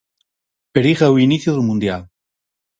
Periga o inicio do mundial.